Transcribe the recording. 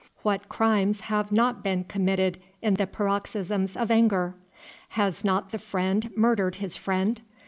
What crimes have not been committed in the paroxysms of anger! Has not the friend murdered his friend?